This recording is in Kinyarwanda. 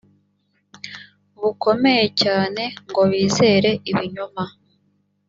bukomeye cyane ngo bizere ibinyoma